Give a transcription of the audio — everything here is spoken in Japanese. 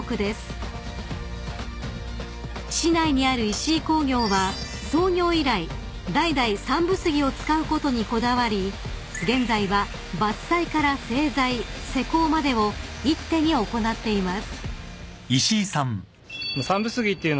［市内にある石井工業は創業以来代々山武杉を使うことにこだわり現在は伐採から製材施工までを一手に行っています］